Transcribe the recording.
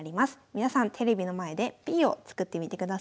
皆さんテレビの前でＰを作ってみてください。